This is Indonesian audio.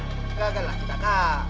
tidak ada kak